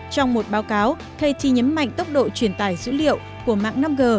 trong một báo cáo kt nhấn mạnh tốc độ truyền tải dữ liệu của mạng năm g